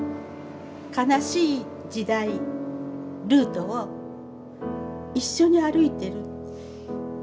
悲しい時代ルートを一緒に歩いてる。